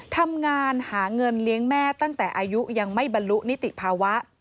ทำงานหาเงินเลี้ยงแม่ตั้งแต่อายุยังไม่บรรลุนิติภาวะ